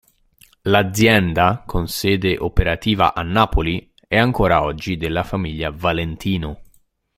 L'azienda, con sede operativa a Napoli, è ancora oggi della famiglia Valentino.